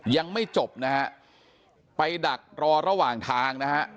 ยังไม่จบไปดักรอระหว่างทาง